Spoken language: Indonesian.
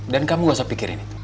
dan kamu gak usah pikirin itu